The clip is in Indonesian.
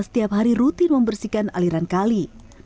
setiap hari rutin membersihkan aliran kali